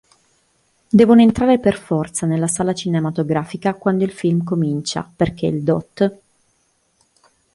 Devono entrare per forza nella sala cinematografica quando il film incomincia, perché il dott.